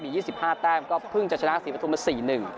มี๒๕แต้มก็เพิ่งจะชนะศิพธุมศรี๑